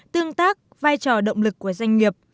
tương tác vai trò động lực của doanh nghiệp